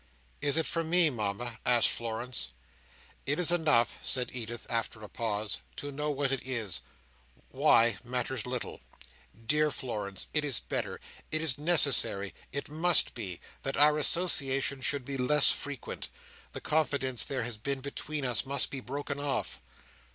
"Is it for me, Mama?" asked Florence. "It is enough," said Edith, after a pause, "to know what it is; why, matters little. Dear Florence, it is better—it is necessary—it must be—that our association should be less frequent. The confidence there has been between us must be broken off."